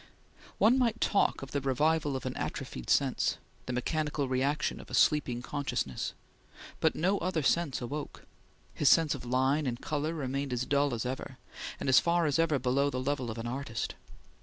One might talk of the revival of an atrophied sense the mechanical reaction of a sleeping consciousness but no other sense awoke. His sense of line and color remained as dull as ever, and as far as ever below the level of an artist.